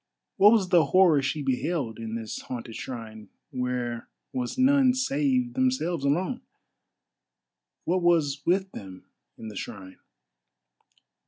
What was the horror she beheld in this haunted shrine, where was none save themselves alone? What was with them in the shrine?